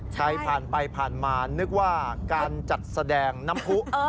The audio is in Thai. ใครผ่านไปผ่านมานึกว่าการจัดแสดงน้ำผู้